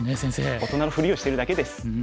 大人のふりをしてるだけです。